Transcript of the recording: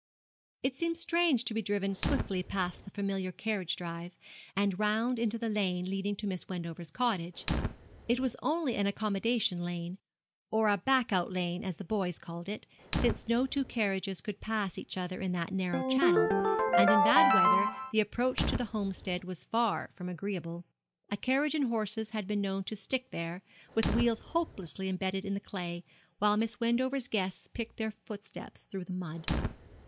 It seemed strange to be driven swiftly past the familiar carriage drive, and round into the lane leading to Miss Wendover's cottage. It was only an accommodation lane or a back out lane, as the boys called it, since no two carriages could pass each other in that narrow channel and in bad weather the approach to the Homestead was far from agreeable. A carriage and horses had been known to stick there, with wheels hopelessly embedded in the clay, while Miss Wendover's guests picked their footsteps through the mud.